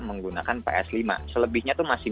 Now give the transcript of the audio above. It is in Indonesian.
menggunakan ps lima selebihnya itu masih